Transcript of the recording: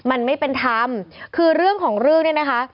มันไม่เป็นธรรมคือเรื่องของเรื่องเนี่ยนะคะ